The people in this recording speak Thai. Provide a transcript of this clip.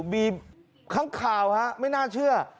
มีครั้งข่าวครับไม่น่าเชื่อ